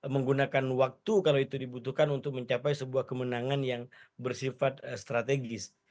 menggunakan waktu kalau itu dibutuhkan untuk mencapai sebuah kemenangan yang bersifat strategis